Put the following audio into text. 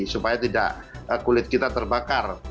supaya tidak kulit kita terbakar